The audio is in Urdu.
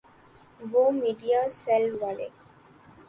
وہ میڈیاسیل والے؟